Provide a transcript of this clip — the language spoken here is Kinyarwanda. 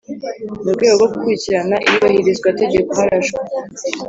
Mu rwego rwo gukurikirana iyubahirizwa tegeko harashwe